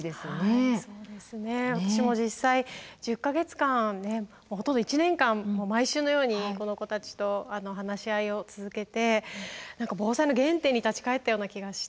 私も実際１０か月間ほとんど１年間毎週のようにこの子たちと話し合いを続けて防災の原点に立ち返ったような気がして。